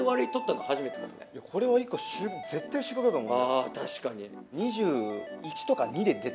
あ確かに。